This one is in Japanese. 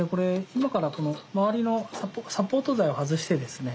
今からこの周りのサポート材を外してですね